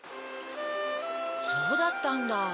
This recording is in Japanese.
そうだったんだ。